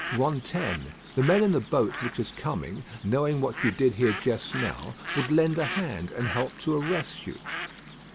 "Rantaine, the men in the boat which is coming, knowing what you did here just now, would lend a hand and help to arrest you.